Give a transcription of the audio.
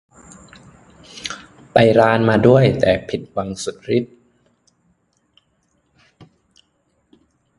ไปร้าน มาด้วย แต่ผิดหวังสุดฤทธิ์